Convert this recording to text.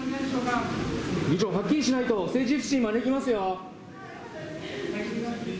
議長、はっきりしないと政治不信招きますよ。